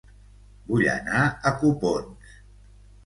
Vull anar a Copons